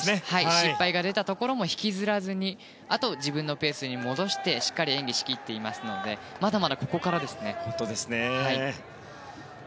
失敗が出たところも引きずらずに自分のペースに戻してしっかり演技していますのでまだまだ、ここからですね。